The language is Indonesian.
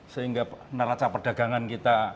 sehingga neraca perdagangan kita